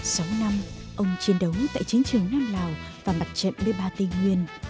sáu năm ông chiến đấu tại chiến trường nam lào và mặt trận b ba tây nguyên